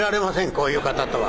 こういう方とは。